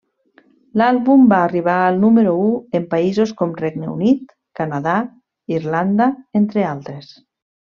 L'àlbum va arribar al número u en països com Regne Unit, Canadà, Irlanda, entre altres.